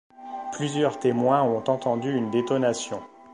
Plusieurs témoins ont entendu une détonation.